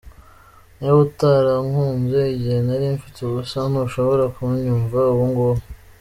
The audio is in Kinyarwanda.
Niba utarankunze igihe nari mfite ubusa, ntushobora kunyumva ubu ngubu.